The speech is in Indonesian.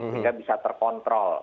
sehingga bisa terkontrol